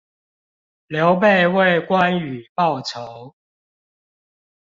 劉備為關羽報仇